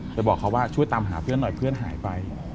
บอกเขาว่าช่วยตามหาเพื่อนหน่อยเพื่อนหายไป